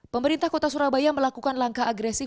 pemerintah kota surabaya melakukan langkah agresif